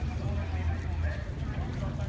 สวัสดีครับคุณผู้ชาย